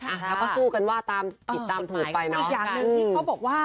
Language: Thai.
อ่ะแล้วก็สู้กันว่าตามผิดตามถูกไปนะอีกอย่างหนึ่งที่เขาบอกว่า